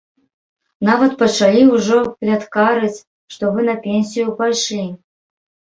Нават пачалі ўжо пляткарыць, што вы на пенсію пайшлі!